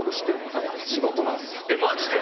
はい地元なんすよマジで？